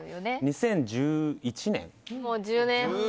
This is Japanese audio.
２０１１年？